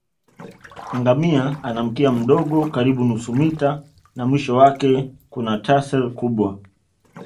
Ngamia ana mkia mdogo karibu nusu mita na mwisho wake kuna tassel kubwa